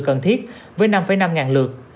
cần thiết với năm năm ngàn lượt